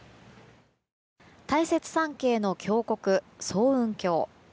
大雪山系の峡谷、層雲峡。